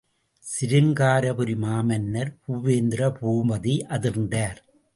சிருங்காரபுரி மாமன்னர் பூபேந்திர பூபதி அதிர்ந்தார்!